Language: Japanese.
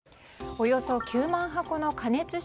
およそ９万箱の加熱式